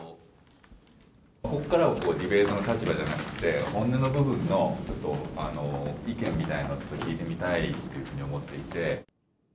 ここからはディベートの立場じゃなくて、本音の部分の意見みたいなのを、ちょっと聞いてみたいというふうに思っていて。